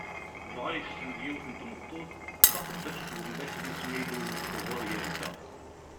Dɣa yessen-d yiwet n tmeṭṭut, d taqeddact n umdakel-is Milu uɣur yerza.